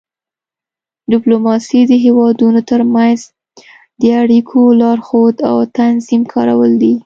ډیپلوماسي د هیوادونو ترمنځ د اړیکو لارښود او تنظیم کول دي